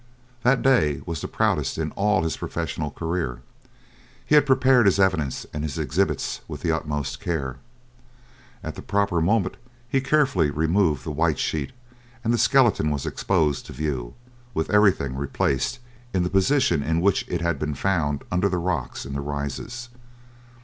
That day was the proudest in all his professional career. He had prepared his evidence and his exhibits with the utmost care. At the proper moment he carefully removed the white sheet, and the skeleton was exposed to view, with everything replaced in the position in which it had been found under the rocks in the Rises.